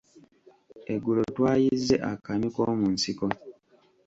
Eggulo twayizze akamyu koomunsiko.